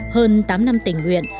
hơn tám năm tỉnh huyện